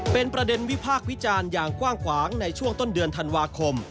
เป็นประเด็นวิพากษ์วิจารณ์อย่างกว้างขวางในช่วงต้นเดือนธันวาคม